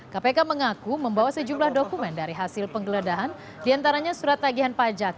kpk mengaku membawa sejumlah dokumen dari hasil penggeledahan diantaranya surat tagihan pajak